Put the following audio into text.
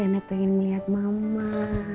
nanti pengen melihat mama